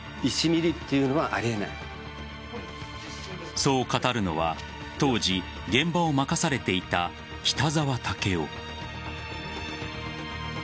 そう語るのは当時、現場を任されていた北沢武夫。